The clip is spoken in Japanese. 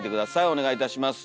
お願いいたします。